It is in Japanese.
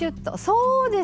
そうです。